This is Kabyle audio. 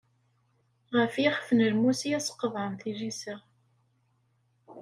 Ɣef yixef n lmus i as-qemḍen tilisa.